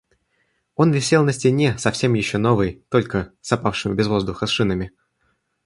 Он висел на стене, совсем еще новый, только с опавшими без воздуха шинами.